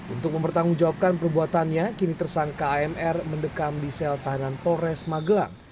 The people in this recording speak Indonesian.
untuk mempertanggungjawabkan perbuatannya kini tersangka amr mendekam di sel tahanan polres magelang